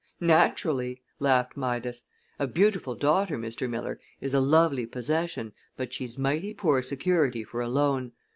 "Naturally," laughed Midas. "A beautiful daughter, Mr. Miller, is a lovely possession, but she's mighty poor security for a loan.